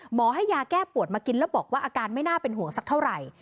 หมอให้ยาแก้ปวดมากินแล้วบอกว่าอาการไม่น่าเป็นห่วงสักเท่าไหร่